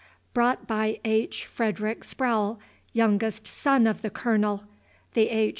Brought by H. Frederic Sprowle, youngest son of the Colonel, the H.